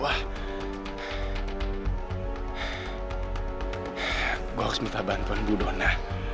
aku harus minta bantuan bu donna